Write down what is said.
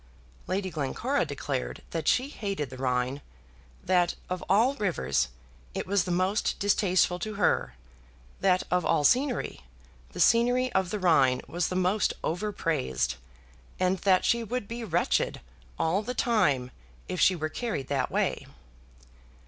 Lady Glencora declared that she hated the Rhine, that, of all rivers, it was the most distasteful to her; that, of all scenery, the scenery of the Rhine was the most over praised; and that she would be wretched all the time if she were carried that way.